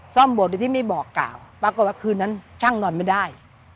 บวชโดยที่ไม่บอกกล่าวปรากฏว่าคืนนั้นช่างนอนไม่ได้